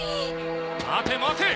待て待て！